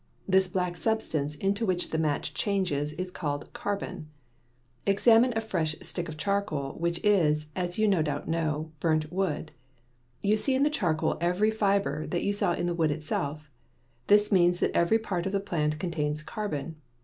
This black substance into which the match changes is called carbon. Examine a fresh stick of charcoal, which is, as you no doubt know, burnt wood. You see in the charcoal every fiber that you saw in the wood itself. This means that every part of the plant contains carbon.